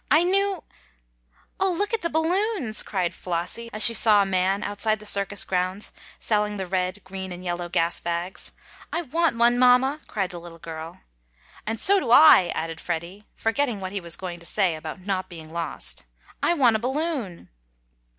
"I knew " "Oh, look at the balloons!" cried Flossie, as she saw a man outside the circus grounds selling the red, green and yellow gas bags. "I want one, mamma!" cried the little girl. "And so do I!" added Freddie, forgetting what he was going to say about not being lost "I want a balloon!"